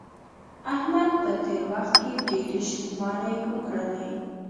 احمد په تېر وخت کې ډېرې شوکماری وکړلې.